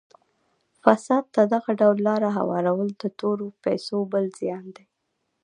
فساد ته دغه ډول لاره هوارول د تورو پیسو بل زیان دی.